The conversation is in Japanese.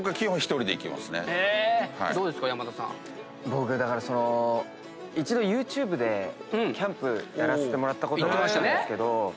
僕だからその一度ＹｏｕＴｕｂｅでキャンプやらせてもらったことがあったんですけど。